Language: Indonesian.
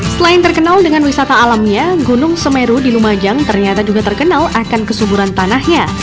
selain terkenal dengan wisata alamnya gunung semeru di lumajang ternyata juga terkenal akan kesuburan tanahnya